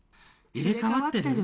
「入れ替わってる！？」